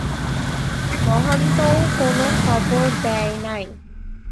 মহান্তও কোন খবর দেয় নাই।